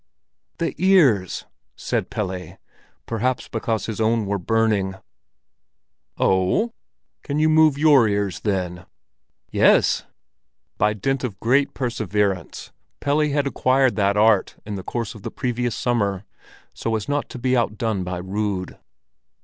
"The ears!" said Pelle, perhaps because his own were burning. "O oh? Can you move your ears, then?" "Yes." By dint of great perseverance, Pelle had acquired that art in the course of the previous summer, so as not to be outdone by Rud.